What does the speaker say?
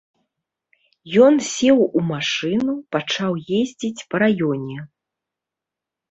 Ён сеў у машыну пачаў ездзіць па раёне.